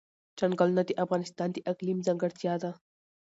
چنګلونه د افغانستان د اقلیم ځانګړتیا ده.